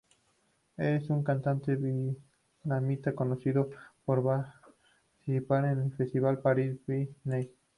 Es un cantante vietnamita, conocido por participar en el festival Paris By Night.